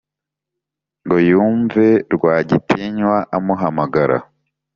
ngo yumve rwagitinywa amuhamagara